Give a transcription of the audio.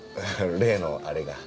例のあれが。